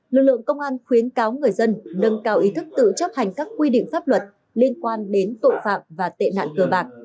lực lượng công an khuyến cáo người dân nâng cao ý thức tự chấp hành các quy định pháp luật liên quan đến tội phạm và tệ nạn cơ bạc